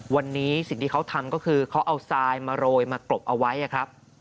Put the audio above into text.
วันนี้สิ่งที่เขาทำก็คือเขาเอาทรายมาโรยมากรบเอาไว้ครับ